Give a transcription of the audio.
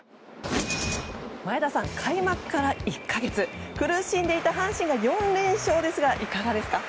前田さん開幕から１か月苦しんでいた阪神も４連勝ですがいかがですか？